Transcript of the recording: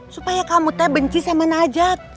supaya kamu teh benci sama najat